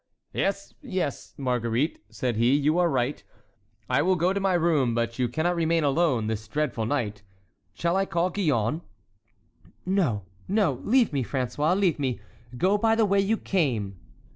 "Yes, yes, Marguerite," said he, "you are right, I will go to my room; but you cannot remain alone this dreadful night. Shall I call Gillonne?" "No, no! leave me, François—leave me. Go by the way you came!"